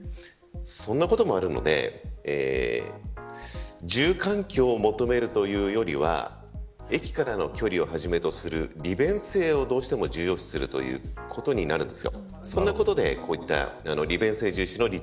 そんなこともあるので住環境を求めるというよりは駅からの距離をはじめとする利便性をどうしても重要視するということになるんです。